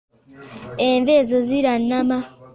Enva ezo zirannama.